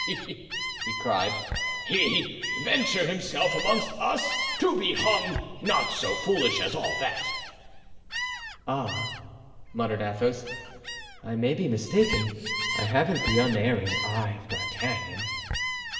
he cried; "he venture himself amongst us, to be hung! Not so foolish as all that." "Ah!" muttered Athos, "I may be mistaken, I haven't the unerring eye of D'Artagnan."